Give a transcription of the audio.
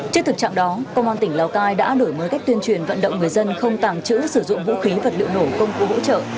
trước thực trạng đó công an tỉnh lào cai đã đổi mới cách tuyên truyền vận động người dân không tàng trữ sử dụng vũ khí vật liệu nổ công cụ hỗ trợ